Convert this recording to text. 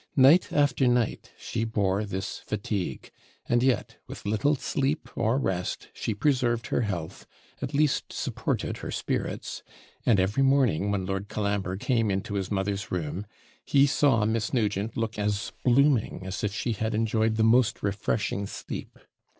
Night after night she bore this fatigue; and yet, with little sleep or rest, she preserved her health, at least supported her spirits; and every morning, when Lord Colambre came into his mother's room, he saw Miss Nugent look as blooming as if she had enjoyed the most refreshing sleep.